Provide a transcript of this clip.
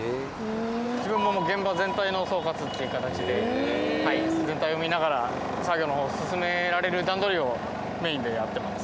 自分も現場全体の総括っていう形で全体を見ながら作業の方進められる段取りをメインでやってます。